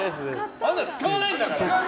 あんなの使わないんだから！